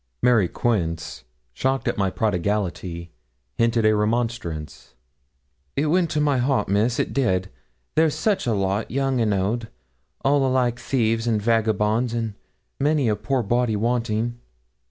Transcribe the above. Mary Quince, shocked at my prodigality, hinted a remonstrance. 'It went to my heart, Miss, it did. They're such a lot, young and old, all alike thieves and vagabonds, and many a poor body wanting.'